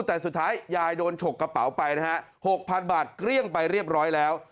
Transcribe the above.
แต่สุดท้ายยายโดนฉกกระเป๋าไปนะฮะ๖๐๐๐บาทเกลี้ยงไปเรียบร้อยแล้ว